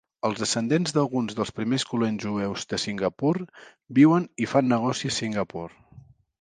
Els descendents d'alguns dels primers colons jueus de Singapur viuen i fan negocis a Singapur.